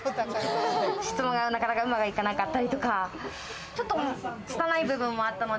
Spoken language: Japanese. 質問がなかなかうまくいかなかったりとか、ちょっと、つたない部分もあったので。